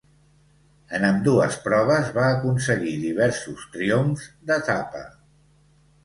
En ambdues proves va aconseguir diversos triomfs d'etapa.